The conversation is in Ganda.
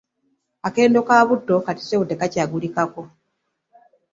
Akendo ka butto kati ssebo tekakyagulikako!